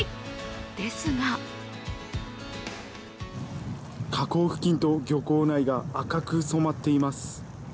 ですが河口付近と漁港内が赤く染まっています。